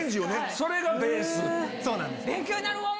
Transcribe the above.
それがベース。